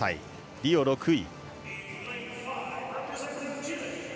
リオ６位。